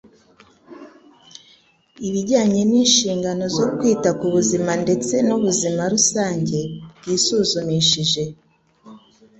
ibijyanye n'inshingano zo kwita ku buzima ndetse n'ubuzima rusange bwisuzumishije